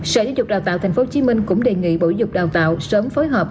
sở giáo dục đào tạo tp hcm cũng đề nghị bộ dục đào tạo sớm phối hợp